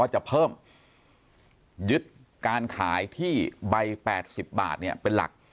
จะเพิ่มยึดการขายที่ใบ๘๐บาทเนี่ยเป็นหลัก